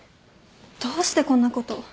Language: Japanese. どうしてこんなこと？